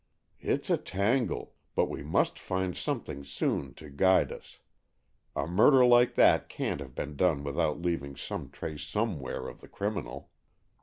It's a tangle, but we must find something soon to guide us. A murder like that can't have been done without leaving some trace somewhere of the criminal."